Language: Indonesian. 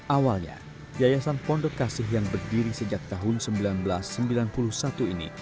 awalnya yayasan pondok kasih yang berdiri sejak tahun seribu sembilan ratus sembilan puluh satu ini